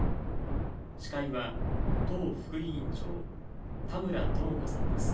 司会は、党副委員長田村智子さんです。